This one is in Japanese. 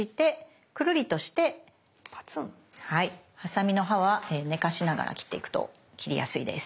はいハサミの刃は寝かしながら切っていくと切りやすいです。